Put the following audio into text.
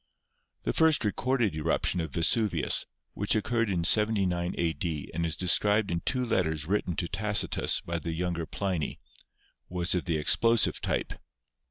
The first recorded eruption of Vesuvius, which occurred in 79 a.d. and is described in two letters written to Tacitus by the younger Pliny, was of the explosive type.